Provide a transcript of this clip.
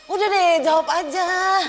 udah deh jawab aja